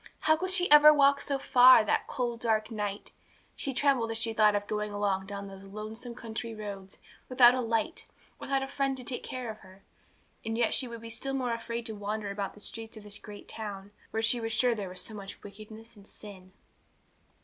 How could she ever walk so far, that cold, dark night? She trembled as she thought of going alone down those lonely country roads, without a light, without a friend to take care of her. And yet she would be still more afraid to wander about the streets of this great town, where she was sure there was so much wickedness and sin.